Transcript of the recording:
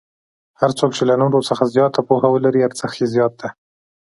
هر څوک چې له نورو څخه زیاته پوهه ولري ارزښت یې زیات دی.